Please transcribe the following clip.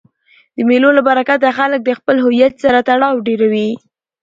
د مېلو له برکته خلک د خپل هویت سره تړاو ډېروي.